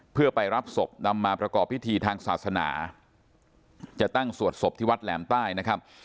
เพื่อไปรับศพนำมาประกอบพิธีทางศาสนาจะตั้งสวดศพที่วัดแหลมใต้นะครับ